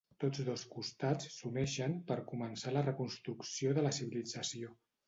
Tots dos costats s'uneixen per començar la reconstrucció de la civilització.